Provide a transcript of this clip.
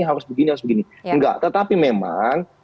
harus begini harus begini enggak tetapi memang